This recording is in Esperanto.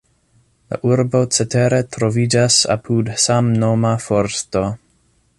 La urbo cetere troviĝas apud samnoma forsto.